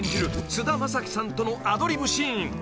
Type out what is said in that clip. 菅田将暉さんとのアドリブシーン］